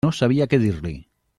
No sabia què dir-li.